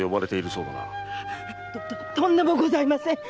とんでもございません。